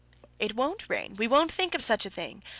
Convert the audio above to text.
"It won't rain we won't think of such a thing.